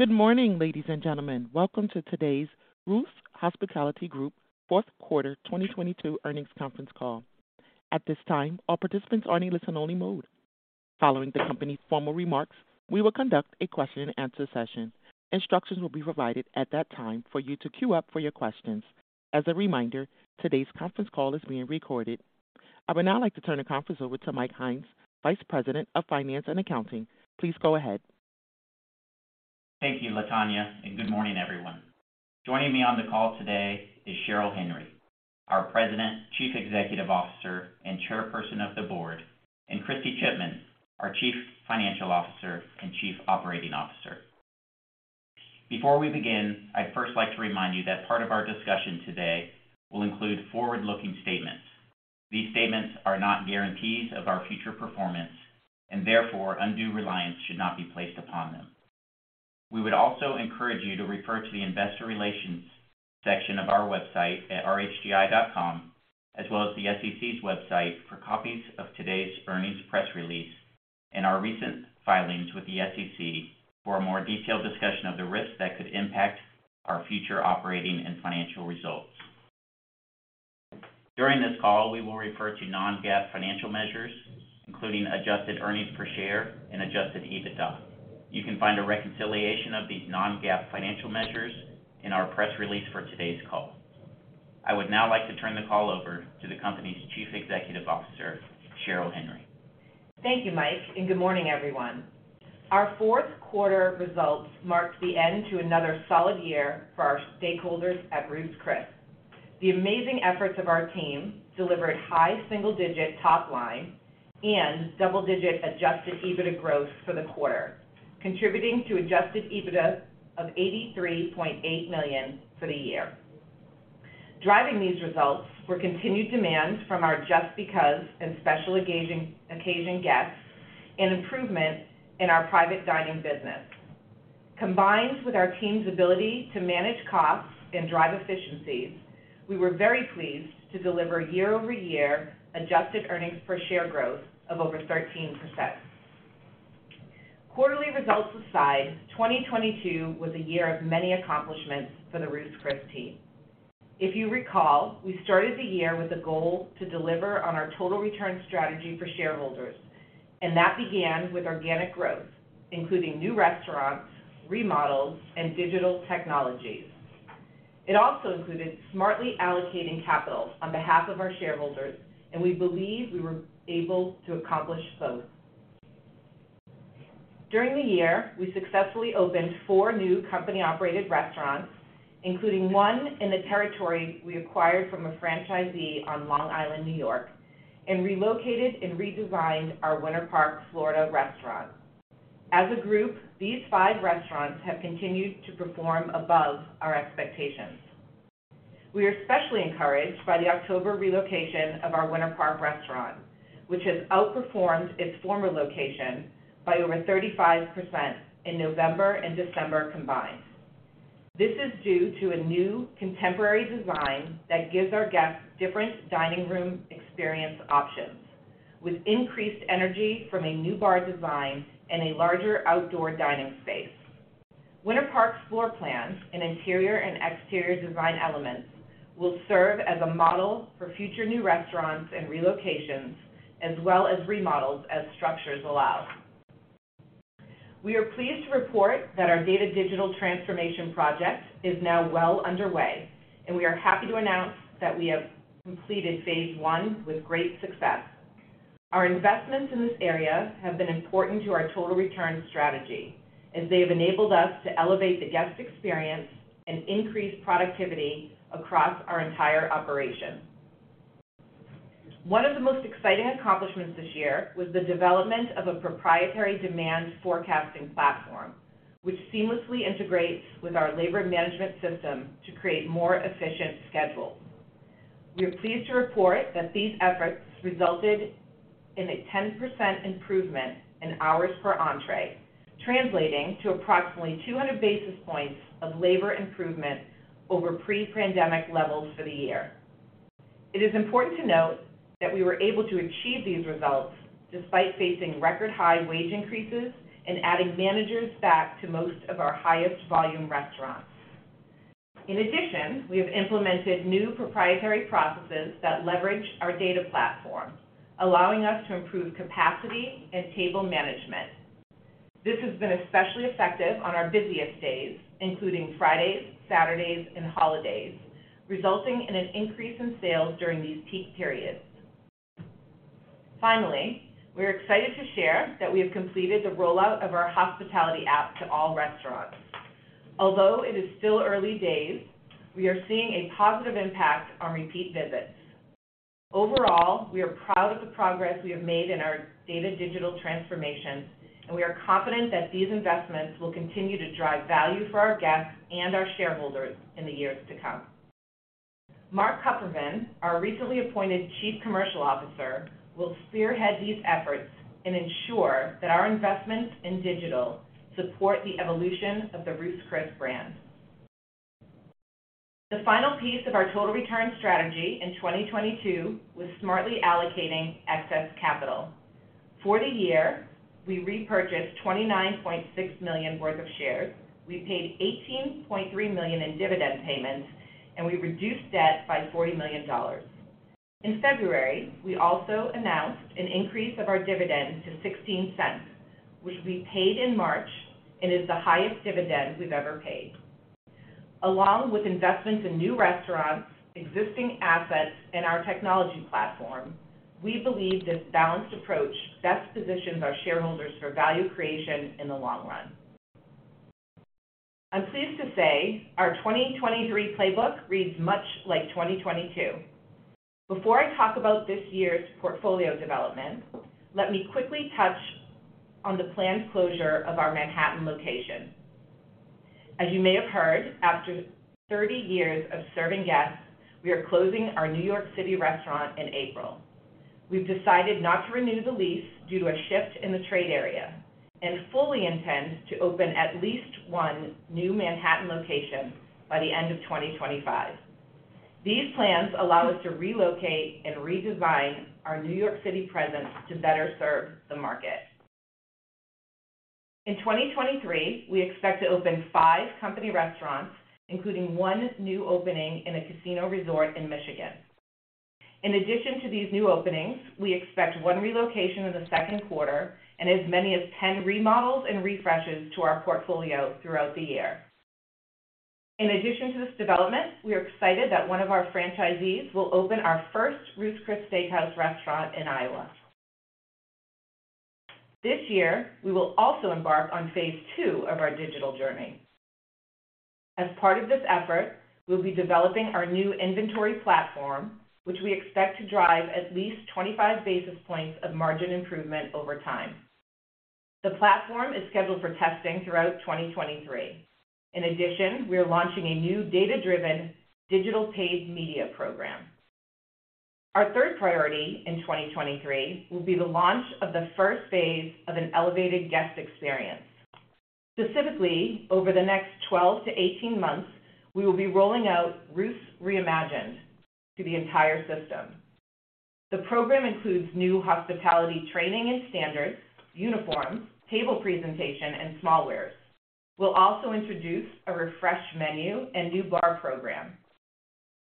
Good morning, ladies and gentlemen. Welcome to today's Ruth's Hospitality Group Fourth Quarter 2022 Earnings Conference Call. At this time, all participants are in listen-only mode. Following the company's formal remarks, we will conduct a question and answer session. Instructions will be provided at that time for you to queue up for your questions. As a reminder, today's conference call is being recorded. I would now like to turn the conference over to Mike Hines, Vice President of Finance and Accounting. Please go ahead. Thank you, Latonya, and good morning, everyone. Joining me on the call today is Cheryl Henry, our President, Chief Executive Officer, and Chairperson of the Board, and Kristy Chipman, our Chief Financial Officer and Chief Operating Officer. Before we begin, I'd first like to remind you that part of our discussion today will include forward-looking statements. These statements are not guarantees of our future performance, and therefore, undue reliance should not be placed upon them. We would also encourage you to refer to the investor relations section of our website at rhgi.com, as well as the SEC's website for copies of today's earnings press release and our recent filings with the SEC for a more detailed discussion of the risks that could impact our future operating and financial results. During this call, we will refer to non-GAAP financial measures, including adjusted earnings per share and adjusted EBITDA. You can find a reconciliation of these non-GAAP financial measures in our press release for today's call. I would now like to turn the call over to the company's Chief Executive Officer, Cheryl Henry. Thank you, Mike. Good morning, everyone. Our 4th quarter results marked the end to another solid year for our stakeholders at Ruth's Chris. The amazing efforts of our team delivered high single-digit top line and double-digit adjusted EBITDA growth for the quarter, contributing to adjusted EBITDA of $83.8 million for the year. Driving these results were continued demand from our Just Because and special occasion guests and improvement in our private dining business. Combined with our team's ability to manage costs and drive efficiencies, we were very pleased to deliver year-over-year adjusted earnings per share growth of over 13%. Quarterly results aside, 2022 was a year of many accomplishments for the Ruth's Chris Steak. If you recall, we started the year with a goal to deliver on our total return strategy for shareholders. That began with organic growth, including new restaurants, remodels, and digital technologies. It also included smartly allocating capital on behalf of our shareholders. We believe we were able to accomplish both. During the year, we successfully opened four new company-operated restaurants, including one in the territory we acquired from a franchisee on Long Island, New York. Relocated and redesigned our Winter Park, Florida, restaurant. As a group, these five restaurants have continued to perform above our expectations. We are especially encouraged by the October relocation of our Winter Park restaurant, which has outperformed its former location by over 35% in November and December combined. This is due to a new contemporary design that gives our guests different dining room experience options with increased energy from a new bar design and a larger outdoor dining space. Winter Park's floor plan and interior and exterior design elements will serve as a model for future new restaurants and relocations as well as remodels as structures allow. We are pleased to report that our data digital transformation project is now well underway, and we are happy to announce that we have completed phase one with great success. Our investments in this area have been important to our total return strategy, as they have enabled us to elevate the guest experience and increase productivity across our entire operation. One of the most exciting accomplishments this year was the development of a proprietary demand forecasting platform which seamlessly integrates with our labor management system to create more efficient schedules. We are pleased to report that these efforts resulted in a 10% improvement in hours per entrée, translating to approximately 200 basis points of labor improvement over pre-pandemic levels for the year. It is important to note that we were able to achieve these results despite facing record high wage increases and adding managers back to most of our highest volume restaurants. In addition, we have implemented new proprietary processes that leverage our data platform, allowing us to improve capacity and table management. This has been especially effective on our busiest days, including Fridays, Saturdays, and holidays, resulting in an increase in sales during these peak periods. Finally, we are excited to share that we have completed the rollout of our hospitality app to all restaurants. Although it is still early days, we are seeing a positive impact on repeat visits. Overall, we are proud of the progress we have made in our data digital transformation, and we are confident that these investments will continue to drive value for our guests and our shareholders in the years to come. Mark Kupferman, our recently appointed Chief Commercial Officer, will spearhead these efforts and ensure that our investments in digital support the evolution of the Ruth's Chris brand. The final piece of our total return strategy in 2022 was smartly allocating excess capital. For the year, we repurchased $29.6 million worth of shares. We paid $18.3 million in dividend payments, and we reduced debt by $40 million. In February, we also announced an increase of our dividend to $0.16, which we paid in March and is the highest dividend we've ever paid. Along with investments in new restaurants, existing assets, and our technology platform, we believe this balanced approach best positions our shareholders for value creation in the long run. I'm pleased to say our 2023 playbook reads much like 2022. Before I talk about this year's portfolio development, let me quickly touch on the planned closure of our Manhattan location. As you may have heard, after 30 years of serving guests, we are closing our New York City restaurant in April. We've decided not to renew the lease due to a shift in the trade area and fully intend to open at least one new Manhattan location by the end of 2025. These plans allow us to relocate and redesign our New York City presence to better serve the market. In 2023, we expect to open five company restaurants, including 1 new opening in a casino resort in Michigan. In addition to these new openings, we expect one relocation in the second quarter and as many as 10 remodels and refreshes to our portfolio throughout the year. In addition to this development, we are excited that one of our franchisees will open our first Ruth's Chris Steak House restaurant in Iowa. This year, we will also embark on phase II of our digital journey. As part of this effort, we'll be developing our new inventory platform, which we expect to drive at least 25 basis points of margin improvement over time. The platform is scheduled for testing throughout 2023. In addition, we are launching a new data-driven digital paid media program. Our third priority in 2023 will be the launch of the first phase of an elevated guest experience. Specifically, over the next 12 to 18 months, we will be rolling out Ruth's Reimagined to the entire system. The program includes new hospitality training and standards, uniforms, table presentation, and small wares. We'll also introduce a refreshed menu and new bar program.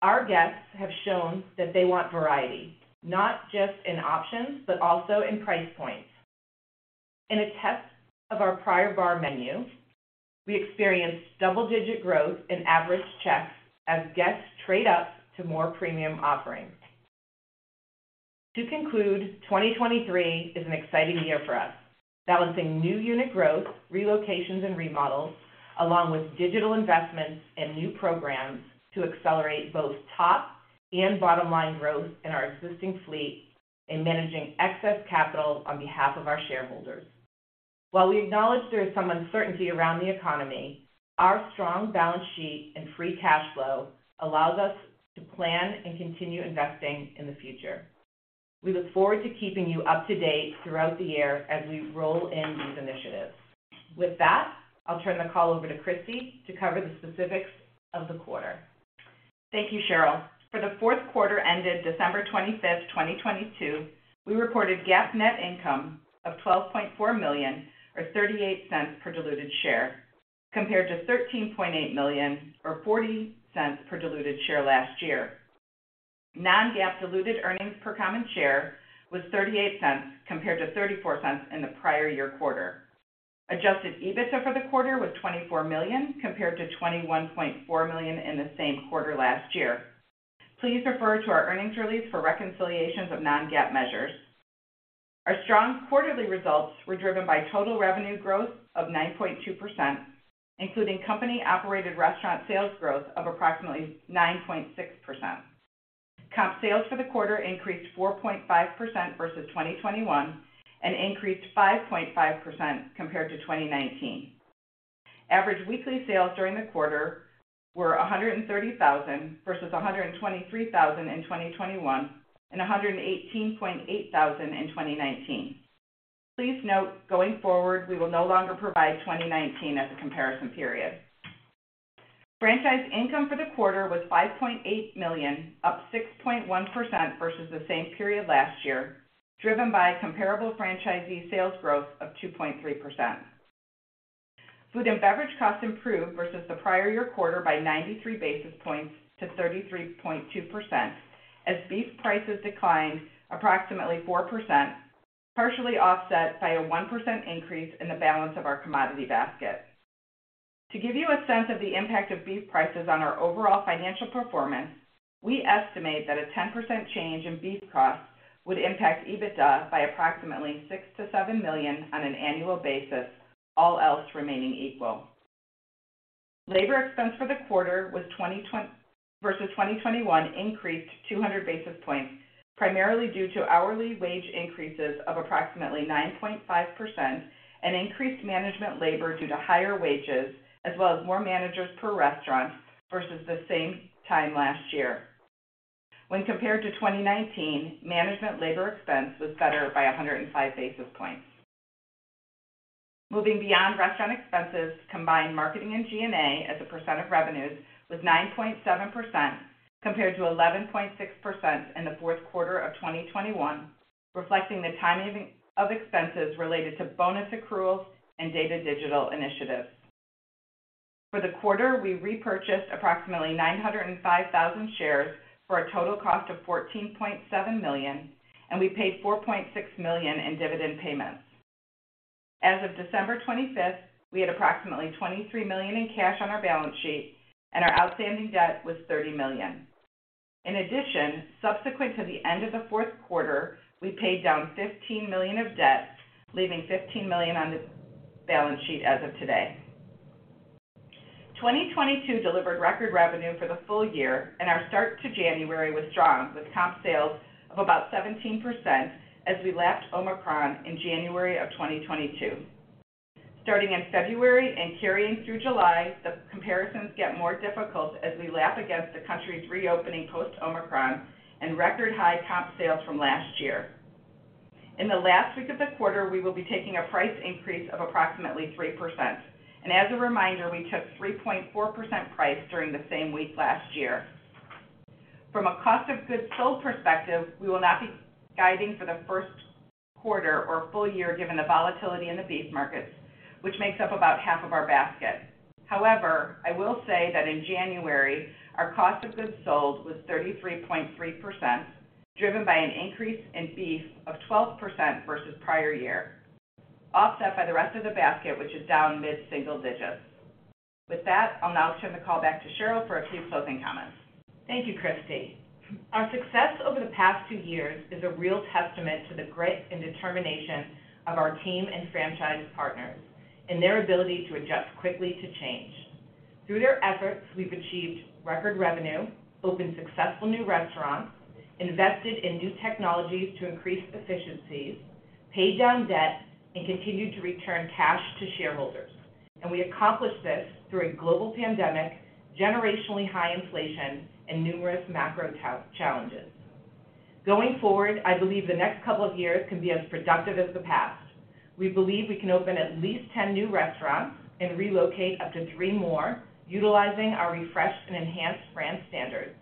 Our guests have shown that they want variety, not just in options, but also in price points. In a test of our prior bar menu, we experienced double-digit growth in average checks as guests trade up to more premium offerings. To conclude, 2023 is an exciting year for us. Balancing new unit growth, relocations, and remodels, along with digital investments and new programs to accelerate both top and bottom line growth in our existing fleet in managing excess capital on behalf of our shareholders. While we acknowledge there is some uncertainty around the economy, our strong balance sheet and free cash flow allows us to plan and continue investing in the future. We look forward to keeping you up to date throughout the year as we roll in these initiatives. With that, I'll turn the call over to Kristy to cover the specifics of the quarter. Thank you, Cheryl. For the 4th quarter ended December 25th, 2022, we reported GAAP net income of $12.4 million or $0.38 per diluted share, compared to $13.8 million or $0.40 per diluted share last year. Non-GAAP diluted earnings per common share was $0.38 compared to $0.34 in the prior year quarter. Adjusted EBITDA for the quarter was $24 million compared to $21.4 million in the same quarter last year. Please refer to our earnings release for reconciliations of non-GAAP measures. Our strong quarterly results were driven by total revenue growth of 9.2%, including company-operated restaurant sales growth of approximately 9.6%. Comp sales for the quarter increased 4.5% versus 2021 and increased 5.5% compared to 2019. Average weekly sales during the quarter were $130,000 versus $123,000 in 2021 and $118.8 thousand in 2019. Please note, going forward, we will no longer provide 2019 as a comparison period. Franchise income for the quarter was $5.8 million, up 6.1% versus the same period last year, driven by comparable franchisee sales growth of 2.3%. Food and beverage costs improved versus the prior year quarter by 93 basis points to 33.2% as beef prices declined approximately 4%, partially offset by a 1% increase in the balance of our commodity basket. To give you a sense of the impact of beef prices on our overall financial performance, we estimate that a 10% change in beef costs would impact EBITDA by approximately $6 million-$7 million on an annual basis, all else remaining equal. Labor expense for the quarter versus 2021 increased 200 basis points, primarily due to hourly wage increases of approximately 9.5% and increased management labor due to higher wages as well as more managers per restaurant versus the same time last year. When compared to 2019, management labor expense was better by 105 basis points. Moving beyond restaurant expenses, combined marketing and G&A as a percent of revenues was 9.7% compared to 11.6% in the 4th quarter of 2021, reflecting the timing of expenses related to bonus accruals and data digital initiatives. For the quarter, we repurchased approximately 905,000 shares for a total cost of $14.7 million, and we paid $4.6 million in dividend payments. As of December 25th, we had approximately $23 million in cash on our balance sheet, and our outstanding debt was $30 million. In addition, subsequent to the end of the 4th quarter, we paid down $15 million of debt, leaving $15 million on the balance sheet as of today. 2022 delivered record revenue for the full year, and our start to January was strong, with comp sales of about 17% as we lapped Omicron in January of 2022. Starting in February and carrying through July, the comparisons get more difficult as we lap against the country's reopening post Omicron and record high comp sales from last year. In the last week of the quarter, we will be taking a price increase of approximately 3%. As a reminder, we took 3.4% price during the same week last year. From a cost of goods sold perspective, we will not be guiding for the 1st quarter or full year given the volatility in the beef markets, which makes up about half of our basket. However, I will say that in January, our cost of goods sold was 33.3%, driven by an increase in beef of 12% versus prior year, offset by the rest of the basket, which is down mid-single digits. With that, I'll now turn the call back to Cheryl for a few closing comments. Thank you, Kristy. Our success over the past two years is a real testament to the grit and determination of our team and franchise partners and their ability to adjust quickly to change. Through their efforts, we've achieved record revenue, opened successful new restaurants, invested in new technologies to increase efficiencies, paid down debt, and continued to return cash to shareholders. We accomplished this through a global pandemic, generationally high inflation, and numerous macro challenges. Going forward, I believe the next couple of years can be as productive as the past. We believe we can open at least 10 new restaurants and relocate up to three more, utilizing our refreshed and enhanced brand standards.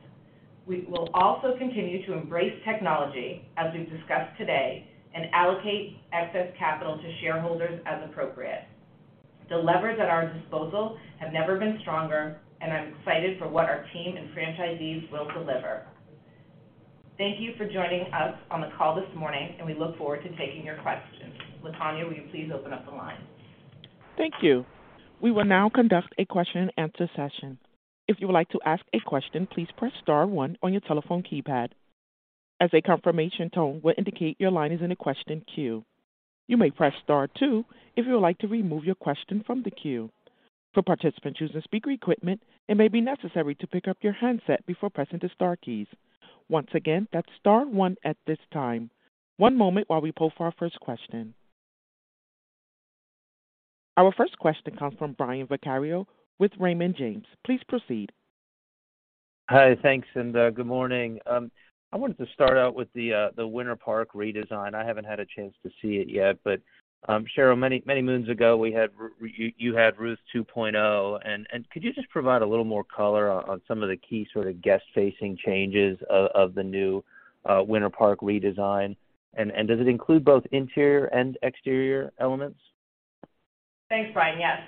We will also continue to embrace technology as we've discussed today and allocate excess capital to shareholders as appropriate. The levers at our disposal have never been stronger, and I'm excited for what our team and franchisees will deliver. Thank you for joining us on the call this morning, and we look forward to taking your questions. Latonya, will you please open up the line? Thank you. We will now conduct a question and answer session. If you would like to ask a question, please press star one on your telephone keypad as a confirmation tone will indicate your line is in a question queue. You may press star two, if you would like to remove your question from the queue. For participants using speaker equipment, it may be necessary to pick up your handset before pressing the star keys. Once again, that's star one at this time. One moment while we poll for our first question. Our first question comes from Brian Vaccaro with Raymond James. Please proceed. Hi. Thanks, and good morning. I wanted to start out with the Winter Park redesign. I haven't had a chance to see it yet. Cheryl, many, many moons ago, we had you had Ruth's 2.0. Could you just provide a little more color on some of the key sort of guest-facing changes of the new Winter Park redesign? Does it include both interior and exterior elements? Thanks, Brian. Yes,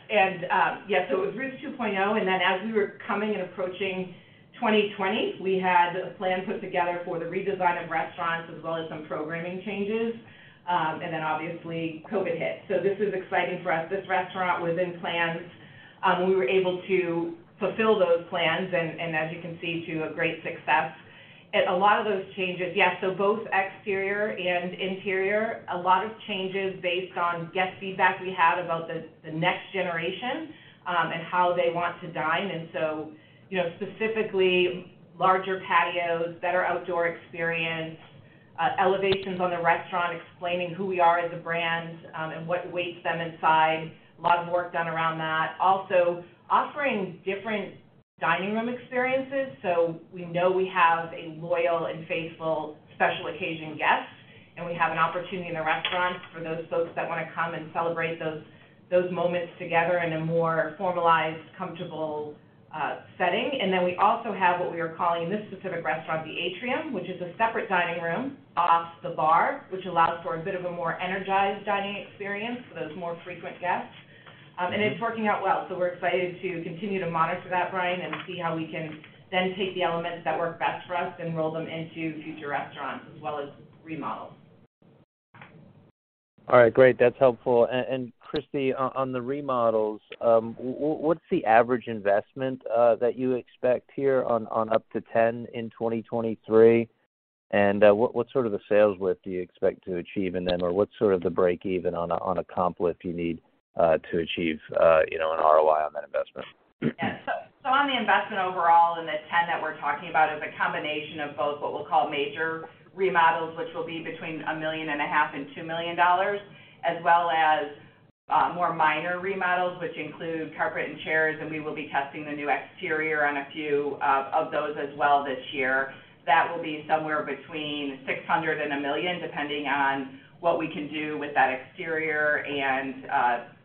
so it was Ruth's 2.0, and then as we were coming and approaching 2020, we had a plan put together for the redesign of restaurants as well as some programming changes. Then obviously COVID hit. This is exciting for us. This restaurant was in plans. We were able to fulfill those plans and as you can see, to a great success. A lot of those changes. Both exterior and interior, a lot of changes based on guest feedback we had about the next generation and how they want to dine. You know, specifically larger patios, better outdoor experience, elevations on the restaurant explaining who we are as a brand and what awaits them inside. A lot of work done around that. Also offering different dining room experiences. We know we have a loyal and faithful special occasion guest, and we have an opportunity in the restaurant for those folks that wanna come and celebrate those moments together in a more formalized, comfortable setting. We also have what we are calling this specific restaurant, The Atrium, which is a separate dining room off the bar, which allows for a bit of a more energized dining experience for those more frequent guests. It's working out well. We're excited to continue to monitor that, Brian, and see how we can then take the elements that work best for us and roll them into future restaurants as well as remodels. All right, great. That's helpful. Kristy, on the remodels, what's the average investment that you expect here on up to 10 in 2023? What sort of the sales lift do you expect to achieve in them, or what's sort of the break even on a comp lift you need to achieve, you know, an ROI on that investment? On the investment overall and the 10 that we're talking about is a combination of both what we'll call major remodels, which will be between a million and a half and $2 million, as well as more minor Our remodels, which include carpet and chairs, and we will be testing the new exterior on a few of those as well this year. That will be somewhere between $600,000 and $1 million, depending on what we can do with that exterior and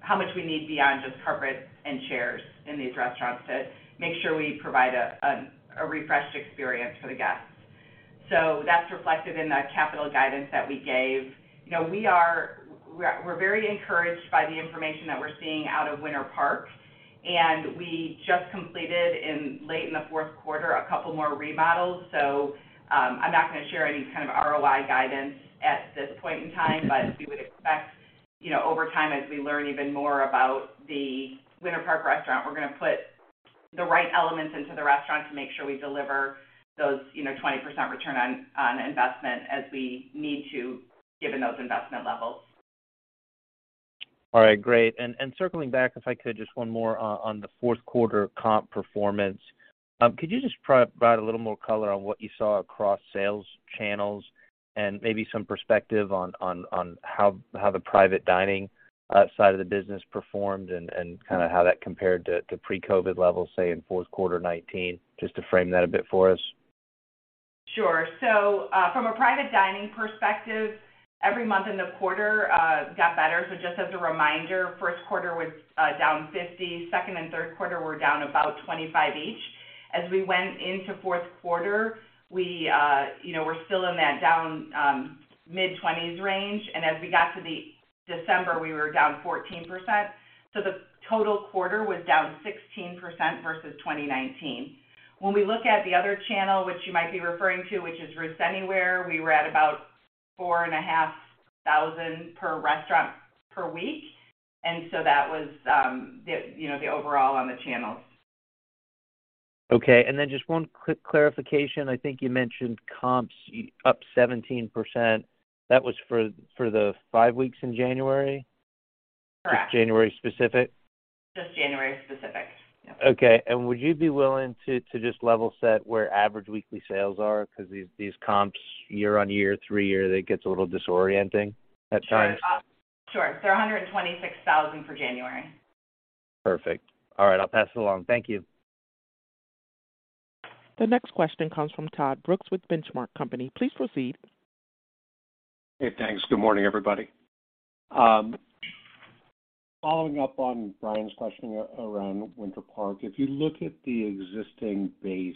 how much we need beyond just carpet and chairs in these restaurants to make sure we provide a refreshed experience for the guests. That's reflected in the capital guidance that we gave. You know, We're very encouraged by the information that we're seeing out of Winter Park. We just completed in late in the 4th quarter a couple more remodels. I'm not gonna share any kind of ROI guidance at this point in time, but we would expect, you know, over time, as we learn even more about the Winter Park restaurant, we're gonna put the right elements into the restaurant to make sure we deliver those, you know, 20% return on investment as we need to, given those investment levels. All right, great. Circling back, if I could, just one more on the 4th quarter comp performance. Could you just provide a little more color on what you saw across sales channels and maybe some perspective on how the private dining side of the business performed and kinda how that compared to pre-COVID levels, say in 4th quarter 2019, just to frame that a bit for us? Sure. From a private dining perspective, every month in the quarter, got better. Just as a reminder, 1st quarter was down 50%, 2nd and 3rd quarter were down about 25% each. As we went into 4th quarter, we, you know, we're still in that down, mid-20s range. As we got to the December, we were down 14%. The total quarter was down 16% versus 2019. When we look at the other channel, which you might be referring to, which is Ruth's Anywhere, we were at about $4,500 per restaurant per week. That was, the, you know, the overall on the channels. Okay. Then just one quick clarification. I think you mentioned comps up 17%. That was for the five weeks in January? Correct. Just January specific? Just January specific. Yep. Okay. Would you be willing to just level set where average weekly sales are? 'Cause these comps year-over-year, three year, that gets a little disorienting at times. Sure. Sure. They're $126,000 for January. Perfect. All right. I'll pass it along. Thank you. The next question comes from Todd Brooks with Benchmark Company. Please proceed. Hey, thanks. Good morning, everybody. Following up on Brian's question around Winter Park, if you look at the existing base,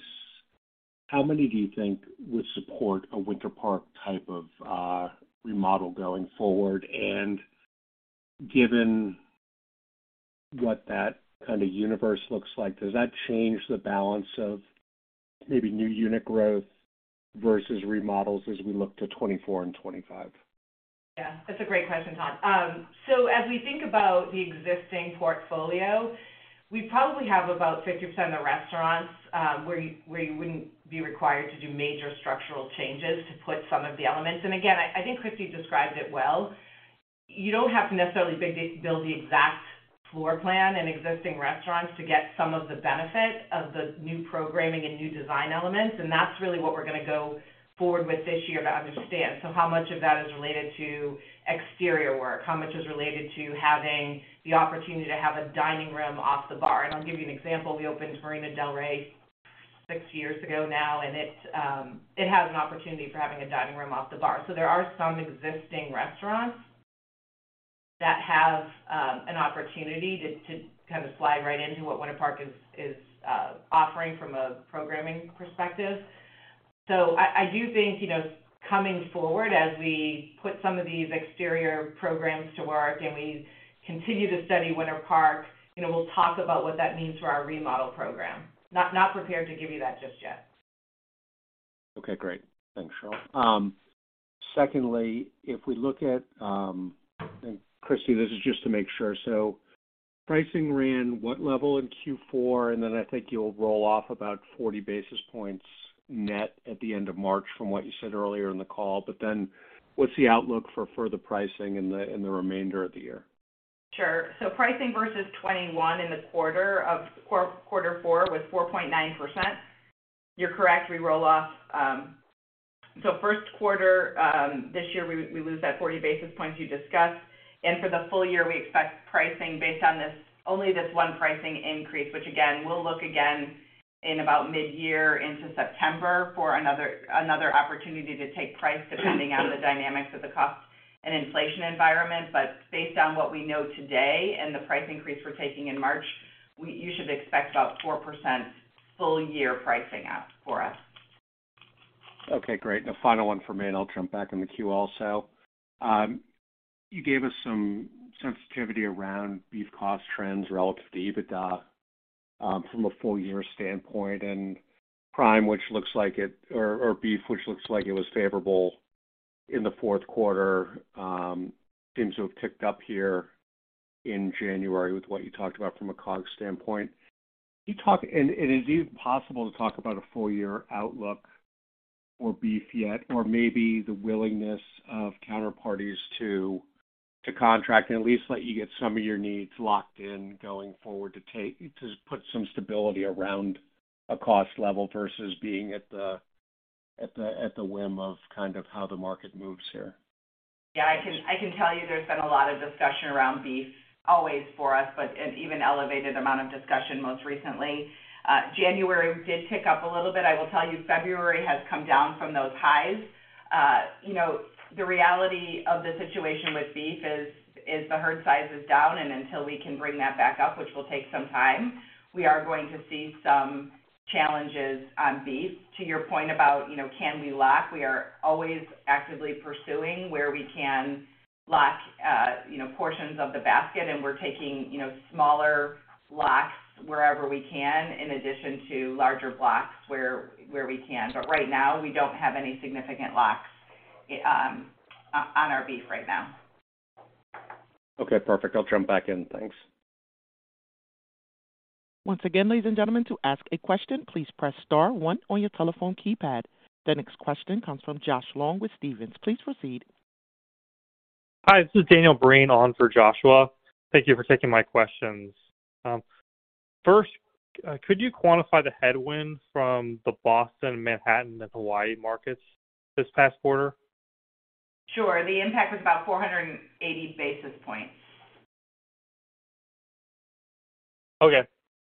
how many do you think would support a Winter Park type of remodel going forward? Given what that kind of universe looks like, does that change the balance of maybe new unit growth versus remodels as we look to 2024 and 2025? That's a great question, Todd. As we think about the existing portfolio, we probably have about 50% of restaurants, where you wouldn't be required to do major structural changes to put some of the elements. Again, I think Kristy described it well. You don't have to necessarily build the exact floor plan in existing restaurants to get some of the benefit of the new programming and new design elements. That's really what we're gonna go forward with this year to understand. How much of that is related to exterior work? How much is related to having the opportunity to have a dining room off the bar? I'll give you an example. We opened Marina Del Rey, six years ago now. It has an opportunity for having a dining room off the bar. There are some existing restaurants that have an opportunity to kind of slide right into what Winter Park is offering from a programming perspective. I do think, you know, coming forward as we put some of these exterior programs to work and we continue to study Winter Park, you know, we'll talk about what that means for our remodel program. Not prepared to give you that just yet. Okay, great. Thanks, Cheryl. Secondly, if we look at, Kristy, this is just to make sure. Pricing ran what level in Q4, I think you'll roll off about 40 basis points net at the end of March from what you said earlier in the call. What's the outlook for further pricing in the remainder of the year? Pricing versus 2021 in the quarter of 4th quarter was 4.9%. You're correct, we roll off. First quarter this year, we lose that 40 basis points you discussed. For the full year, we expect pricing based on this, only this one pricing increase, which again, we'll look again in about mid-year into September for another opportunity to take price depending on the dynamics of the cost and inflation environment. Based on what we know today and the price increase we're taking in March, you should expect about 4% full year pricing up for us. Okay, great. The final one for me, and I'll jump back in the queue also. You gave us some sensitivity around beef cost trends relative to EBITDA, from a full year standpoint and prime, which looks like it or beef, which looks like it was favorable in the 4th quarter, seems to have ticked up here in January with what you talked about from a COG standpoint. Can you talk... And is it even possible to talk about a full year outlook for beef yet, or maybe the willingness of counterparties to contract and at least let you get some of your needs locked in going forward to put some stability around a cost level versus being at the, at the whim of kind of how the market moves here. Yeah, I can tell you there's been a lot of discussion around beef always for us, an even elevated amount of discussion most recently. January, we did tick up a little bit. I will tell you February has come down from those highs. You know, the reality of the situation with beef is the herd size is down, until we can bring that back up, which will take some time, we are going to see some challenges on beef. To your point about, you know, can we lock, we are always actively pursuing where we can lock, you know, portions of the basket, we're taking, you know, smaller blocks wherever we can in addition to larger blocks where we can. Right now, we don't have any significant locks on our beef right now. Okay, perfect. I'll jump back in. Thanks. Once again, ladies and gentlemen, to ask a question, please press star one on your telephone keypad. The next question comes from Joshua Long with Stephens. Please proceed. Hi, this is Daniel Breen on for Joshua. Thank you for taking my questions. First, could you quantify the headwind from the Boston, Manhattan, and Hawaii markets this past quarter? Sure. The impact was about 480 basis points. Okay.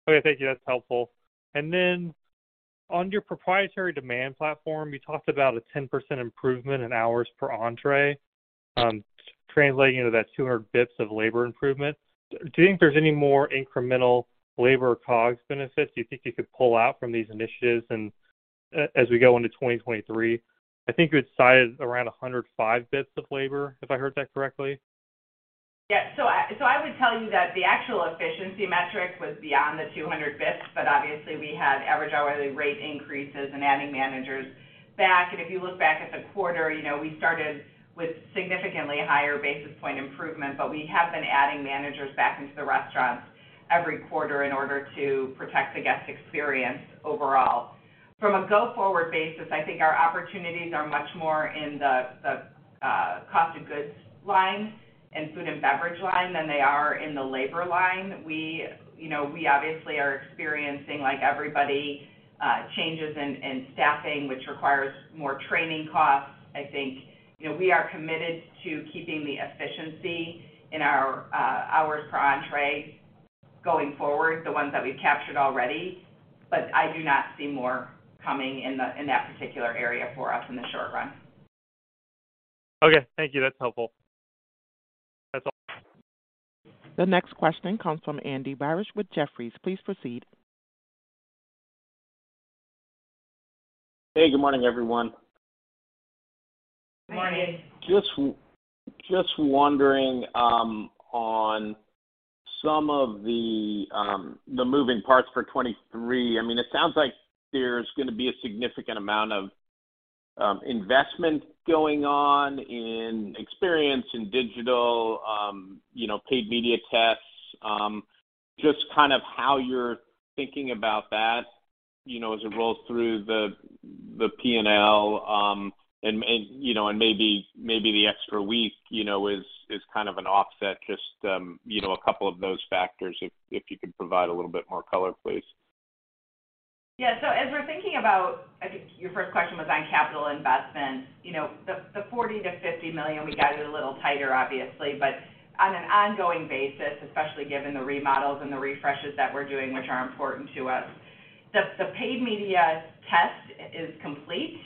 Okay, thank you. That's helpful. Then on your proprietary demand platform, you talked about a 10% improvement in hours per entrée, translating into that 200 bips of labor improvement. Do you think there's any more incremental labor COGS benefits you think you could pull out from these initiatives as we go into 2023? I think you had cited around 105 bips of labor, if I heard that correctly. Yeah. I would tell you that the actual efficiency metric was beyond the 200 bips, obviously we had average hourly rate increases and adding managers back. If you look back at the quarter, you know, we started with significantly higher basis point improvement, we have been adding managers back into the restaurants every quarter in order to protect the guest experience overall. From a go-forward basis, I think our opportunities are much more in the cost of goods line and food and beverage line than they are in the labor line. We, you know, we obviously are experiencing, like everybody, changes in staffing, which requires more training costs. I think, you know, we are committed to keeping the efficiency in our hours per entrée going forward, the ones that we've captured already, but I do not see more coming in that particular area for us in the short run. Okay. Thank you. That's helpful. That's all. The next question comes from Andy Barish with Jefferies. Please proceed. Hey, good morning, everyone. Good morning. Just wondering, on some of the moving parts for 2023. I mean, it sounds like there's gonna be a significant amount of investment going on in experience in digital, you know, paid media tests. Just kind of how you're thinking about that, you know, as it rolls through the P&L. You know, maybe the extra week, you know, is kind of an offset. Just, you know, a couple of those factors, if you could provide a little bit more color, please. As we're thinking about... I think your first question was on capital investment. You know, the $40 million-$50 million, we guided a little tighter, obviously. On an ongoing basis, especially given the remodels and the refreshes that we're doing, which are important to us, the paid media test is complete,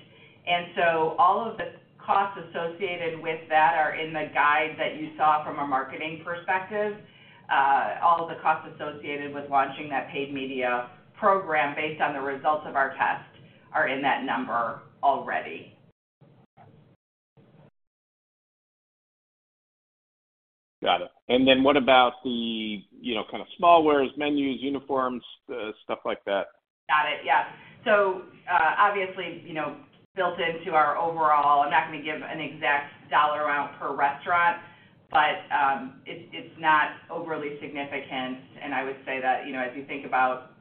and so all of the costs associated with that are in the guide that you saw from a marketing perspective. All of the costs associated with launching that paid media program based on the results of our test are in that number already. Got it. Then what about the, you know, kind of smallwares, menus, uniforms, stuff like that? Got it. Yeah. Obviously, you know, built into our overall, I'm not going to give an exact dollar amount per restaurant, but it's not overly significant. I would say that, you know, as you think about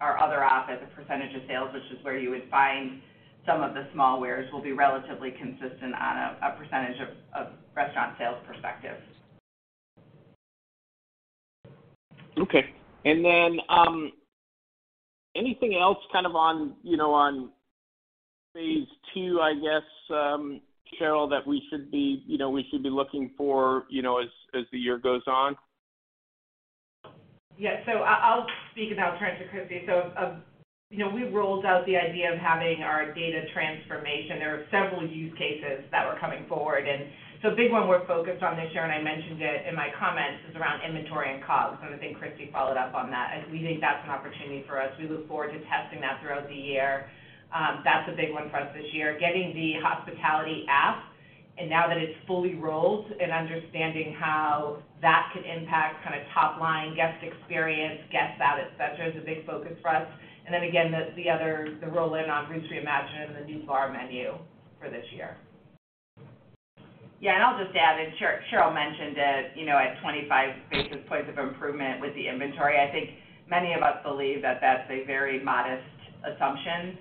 our other op as a percentage of sales, which is where you would find some of the smallwares will be relatively consistent on a percentage of restaurant sales perspective. Okay. Anything else kind of on, you know, on phase II, I guess, Cheryl, that we should be, you know, we should be looking for, you know, as the year goes on? Yeah. I'll speak and then I'll turn it to Kristy. You know, we rolled out the idea of having our data transformation. There are several use cases that were coming forward. A big one we're focused on this year, I mentioned it in my comments, is around inventory and COGS. I think Kristy followed up on that. We think that's an opportunity for us. We look forward to testing that throughout the year. That's a big one for us this year. Getting the hospitality app and now that it's fully rolled and understanding how that could impact kind of top line guest experience, guest sat, et cetera, is a big focus for us. Again, the other, the roll-in on Ruth's Reimagined and the new bar menu for this year. Yeah. I'll just add, and Cheryl mentioned it, you know, at 25 basis points of improvement with the inventory. I think many of us believe that that's a very modest assumption.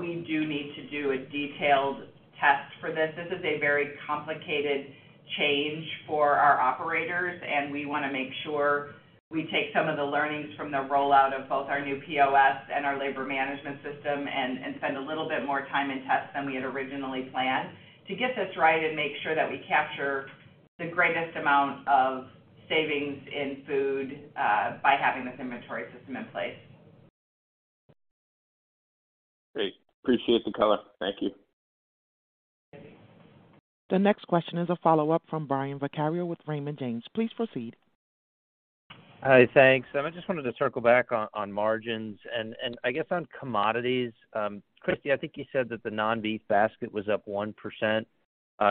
We do need to do a detailed test for this. This is a very complicated change for our operators, and we wanna make sure we take some of the learnings from the rollout of both our new POS and our labor management system and spend a little bit more time in tests than we had originally planned to get this right and make sure that we capture the greatest amount of savings in food by having this inventory system in place. Great. Appreciate the color. Thank you. The next question is a follow-up from Brian Vaccaro with Raymond James. Please proceed. Hi. Thanks. I just wanted to circle back on margins and I guess on commodities. Kristy, I think you said that the non-beef basket was up 1%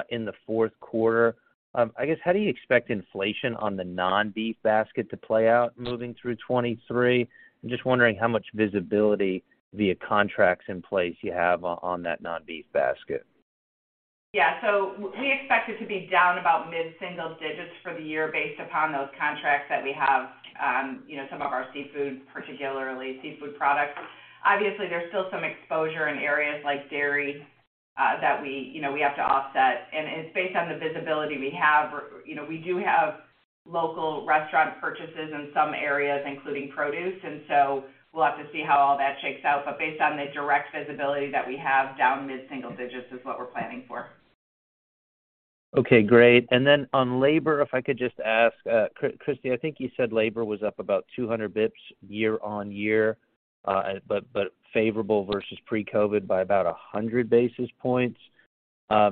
in the 4th quarter. I guess, how do you expect inflation on the non-beef basket to play out moving through 2023? I'm just wondering how much visibility via contracts in place you have on that non-beef basket? We expect it to be down about mid-single digits for the year based upon those contracts that we have, you know, some of our seafood, particularly seafood products. Obviously, there's still some exposure in areas like dairy, that we, you know, we have to offset, and it's based on the visibility we have. You know, we do have local restaurant purchases in some areas, including produce, we'll have to see how all that shakes out. Based on the direct visibility that we have, down mid-single digits is what we're planning for. Okay, great. On labor, if I could just ask Kristy, I think you said labor was up about 200 bips year-on-year, but favorable versus pre-COVID by about 100 basis points. Do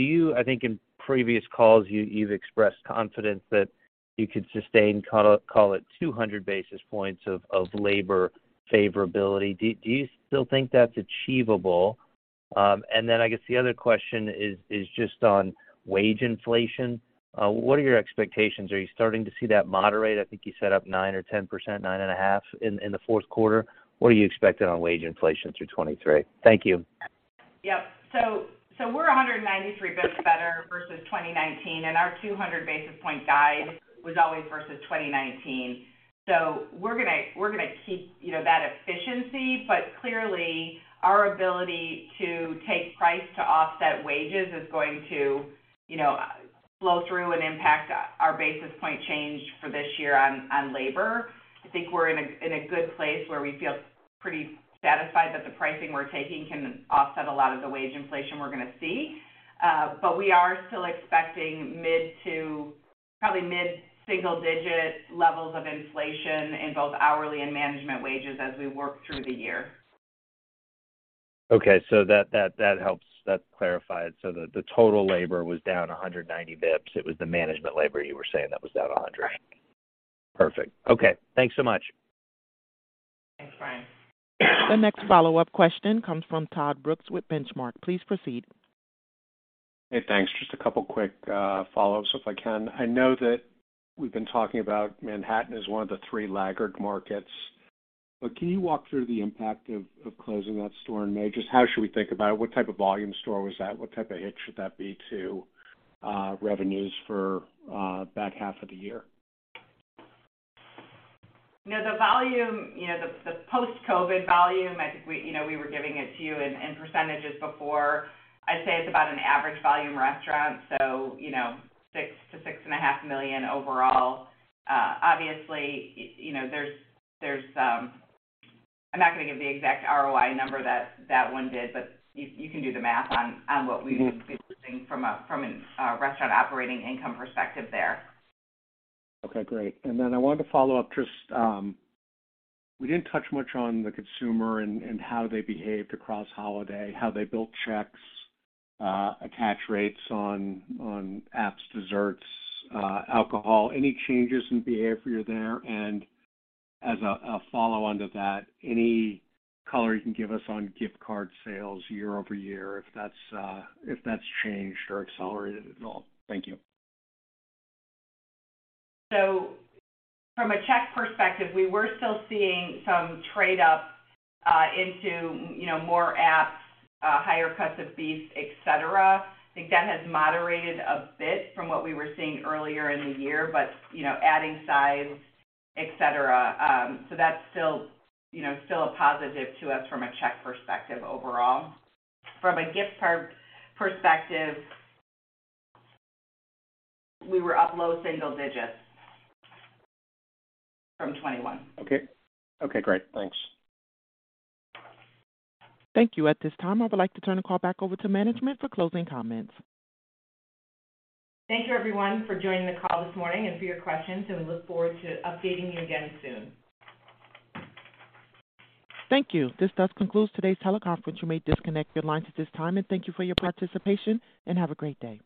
you, I think in previous calls, you've expressed confidence that you could sustain, call it 200 basis points of labor favorability. Do you still think that's achievable? I guess the other question is just on wage inflation. What are your expectations? Are you starting to see that moderate? I think you set up 9% or 10%, 9.5% in the 4th quarter. What are you expecting on wage inflation through 2023? Thank you. Yep. We're 193 bips better versus 2019, and our 200 basis point guide was always versus 2019. We're gonna keep, you know, that efficiency. Clearly, our ability to take price to offset wages is going to, you know, flow through and impact our basis point change for this year on labor. I think we're in a good place where we feel pretty satisfied that the pricing we're taking can offset a lot of the wage inflation we're gonna see. But we are still expecting mid to probably mid-single digit levels of inflation in both hourly and management wages as we work through the year. That helps. That clarified. The total labor was down 190 bips. It was the management labor you were saying that was down 100. Right. Perfect. Okay. Thanks so much. Thanks, Brian. The next follow-up question comes from Todd Brooks with Benchmark. Please proceed. Thanks. Just a couple quick follows if I can. I know that we've been talking about Manhattan as one of the three laggard markets, but can you walk through the impact of closing that store in May? Just how should we think about it? What type of volume store was that? What type of hit should that be to revenues for that half of the year? You know, the volume, you know, the post-COVID volume, I think we, you know, we were giving it to you in % before. I'd say it's about an average volume restaurant, so, you know, $6 million-$6.5 million overall. obviously, you know, there's. I'm not gonna give the exact ROI number that one did, but you can do the math on, what we will be losing from a restaurant operating income perspective there. Okay, great. I wanted to follow up just. We didn't touch much on the consumer and how they behaved across holiday, how they built checks, attach rates on apps, desserts, alcohol. Any changes in behavior there? As a follow-on to that, any color you can give us on gift card sales year-over-year, if that's changed or accelerated at all? Thank you. From a check perspective, we were still seeing some trade up, into, you know, more apps, higher cuts of beef, et cetera. I think that has moderated a bit from what we were seeing earlier in the year, but, you know, adding size, et cetera. That's still, you know, still a positive to us from a check perspective overall. From a gift card perspective, we were up low single digits from 21. Okay. Okay, great. Thanks. Thank you. At this time, I would like to turn the call back over to management for closing comments. Thank you everyone for joining the call this morning and for your questions. We look forward to updating you again soon. Thank you. This does conclude today's teleconference. You may disconnect your lines at this time. Thank you for your participation, and have a great day.